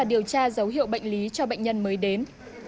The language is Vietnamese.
điều tra dấu hiệu bệnh lý cho bệnh nhân mới đến